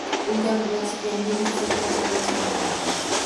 Uyda birgalashib yangi retseptlar tanlash mumkin.